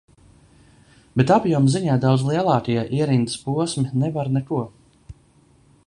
Bet apjoma ziņā daudz lielākie ierindas posmi nevar neko.